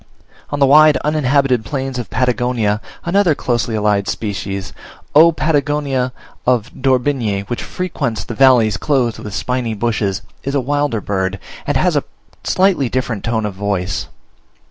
On the wide uninhabited plains of Patagonia another closely allied species, O. Patagonica of d'Orbigny, which frequents the valleys clothed with spiny bushes, is a wilder bird, and has a slightly different tone of voice.